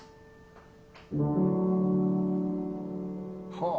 はあ。